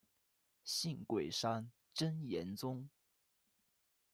信贵山真言宗。